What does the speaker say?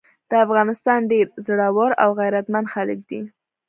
د افغانستان ډير زړور او غيرتمن خلګ دي۔